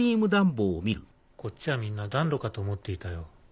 こっちはみんな暖炉かと思っていたよ。